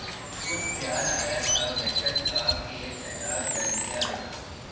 کچھ خیال آیا تھا وحشت کا کہ صحرا جل گیا